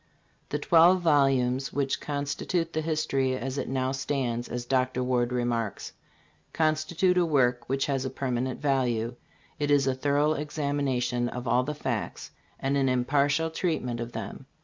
"The twelve volumes which constitute the history as it now stands," as Dr. Ward remarks, " constitute a work which has a permanent value. It is a thorough examination of all the facts and an impartial treatment of them.